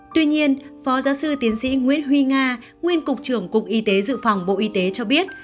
tuy nhiên phó giáo sư tiến sĩ nguyễn huy nga nguyên cục trưởng cục y tế dự phòng bộ y tế cho biết